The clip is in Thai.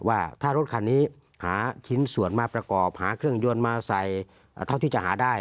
ว่าถ้ารถคันนี้หาชิ้นส่วนมาประกอบหาเครื่องยนต์มาใส่เท่าที่จะหาได้